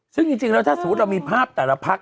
ซึ่งจริงแล้วถ้าสมมุติเรามีภาพแต่ละพัก